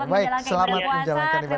baik selamat menjalankan ibu puasa